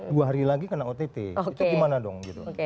dua hari lagi kena ott itu gimana dong gitu